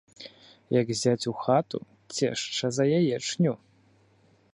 Як зяць у хату — цешча за яечню